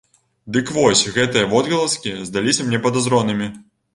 Дык вось гэтыя водгаласкі здаліся мне падазронымі.